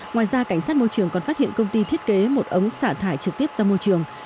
ngoài ra cảnh sát môi trường còn phát hiện công ty thiết kế một ống xả thải trực tiếp ra môi trường